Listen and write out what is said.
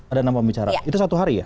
ada enam pembicaraan itu satu hari ya